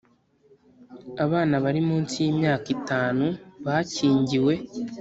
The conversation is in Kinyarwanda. Abana bari munsi y’imyaka itanu bakingiwe